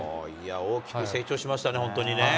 大きく成長しましたね、本当にね。